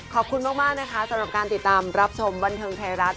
ขอบคุณมากนะคะสำหรับการติดตามรับชมบันเทิงไทยรัฐ